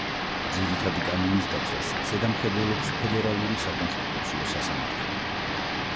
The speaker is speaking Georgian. ძირითადი კანონის დაცვას ზედამხედველობს ფედერალური საკონსტიტუციო სასამართლო.